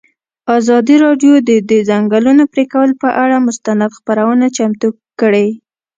ازادي راډیو د د ځنګلونو پرېکول پر اړه مستند خپرونه چمتو کړې.